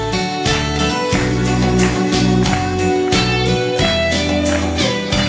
กดแล้วแหละ